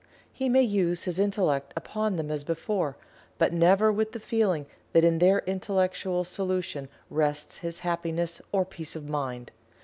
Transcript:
He may use his intellect upon them as before, but never with the feeling that in their intellectual solution rests his happiness or peace of mind.